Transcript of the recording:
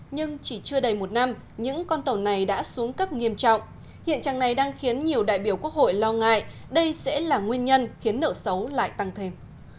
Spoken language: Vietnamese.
nhưng chỉ chưa đầy một năm những con tàu này đã xuống cấp nghiêm trọng hiện trạng này đang khiến nhiều đại biểu quốc hội lo ngại đây sẽ là nguyên nhân khiến nợ xấu lại tăng thêm